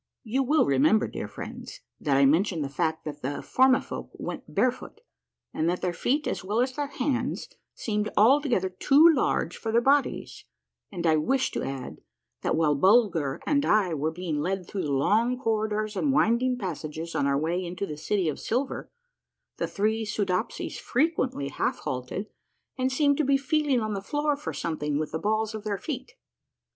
You will remember, dear friends, that I mentioned the fact that the Formifolk went barefoot, and that their feet as well as their hands seemed altogether too large for their bodies, and I wish to add, that while Bulger and I were being led through the long corridors and winding passages on our way into the City of Silver, the three Soodopsies frequently half halted and seemed to be feeling on the floor for something with the balls of their feet.